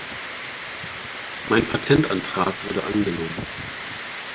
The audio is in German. Mein Patentantrag wurde angenommen.